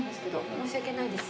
申し訳ないです